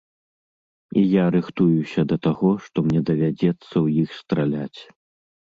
І я рыхтуюся да таго, што мне давядзецца ў іх страляць.